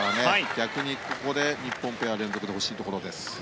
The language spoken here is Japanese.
逆にここで日本ペアが連続で欲しいところです。